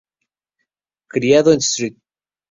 Criado en St.